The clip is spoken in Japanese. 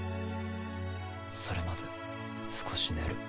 それまで少し寝る。